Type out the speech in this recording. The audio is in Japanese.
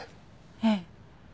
ええ。